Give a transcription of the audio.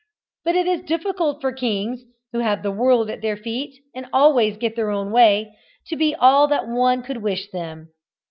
But it is difficult for kings, who have the world at their feet and always get their own way, to be all that one could wish them.